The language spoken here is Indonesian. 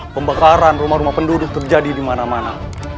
pembakaran rumah rumah penduduk terjadi dimana mana